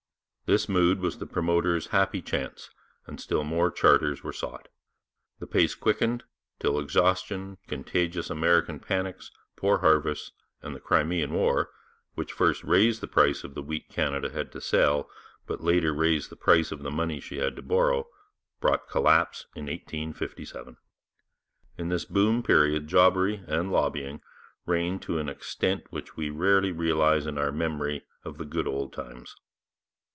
This mood was the promoter's happy chance, and still more charters were sought. The pace quickened till exhaustion, contagious American panics, poor harvests, and the Crimean War which first raised the price of the wheat Canada had to sell, but later raised the price of the money she had to borrow brought collapse in 1857. In this boom period jobbery and lobbying reigned to an extent which we rarely realize in our memory of the good old times.